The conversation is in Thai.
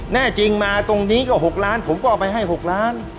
แน่จริงมาตรงนี้ก็๖ล้านผมก็เอาไปให้๖ล้าน